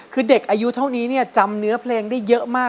คือเด็กอายุเท่านี้จำเนื้อเพลงได้เยอะมาก